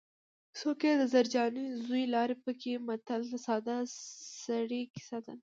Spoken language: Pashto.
څوک یې د زرجانې زوی لاړې پکې متل د ساده سړي کیسه ده